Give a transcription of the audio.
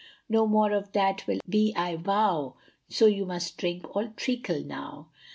No more of that will be I vow, So you must drink all treacle now.